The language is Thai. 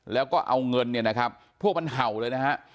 แล้วก็เอาเงินเนี่ยนะครับพวกมันเห่าเลยนะฮะ